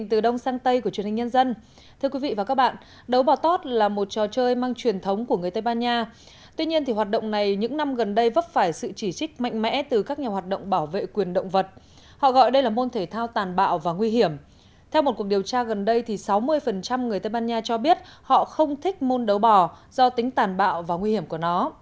trong cuộc điều tra gần đây sáu mươi người tây ban nha cho biết họ không thích môn đấu bỏ do tính tàn bạo và nguy hiểm của nó